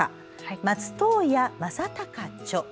松任谷正隆著。